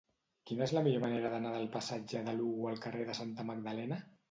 Quina és la millor manera d'anar del passatge de Lugo al carrer de Santa Magdalena?